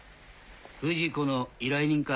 不二子の依頼人か。